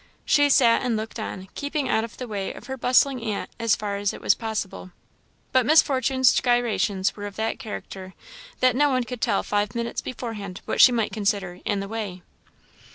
She sat and looked on, keeping out of the way of her bustling aunt as far as it was possible; but Miss Fortune's gyrations were of that character, that no one could tell five minutes beforehand what she might consider "in the way."